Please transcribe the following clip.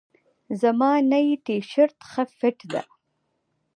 زما نئی تیشرت ښه فټ ده.